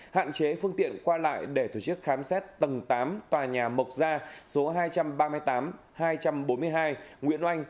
hạn chế phương tiện qua lại để tổ chức khám xét tầng tám tòa nhà mộc gia số hai trăm ba mươi tám hai trăm bốn mươi hai nguyễn oanh